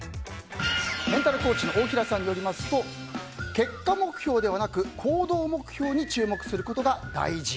メンタルコーチの太平さんによりますと、結果目標ではなく行動目標に注目することが大事。